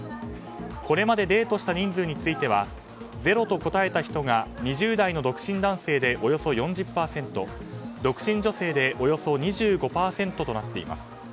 これまでデートした人数についてはゼロと答えた人が２０代の独身男性でおよそ４０％独身女性でおよそ２５％となっています。